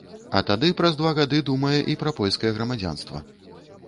А тады праз два гады думае і пра польскае грамадзянства.